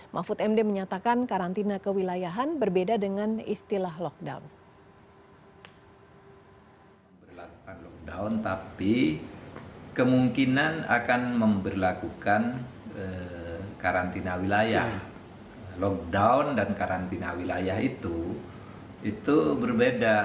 mahfud md menyatakan karantina kewilayahan berbeda dengan istilah lockdown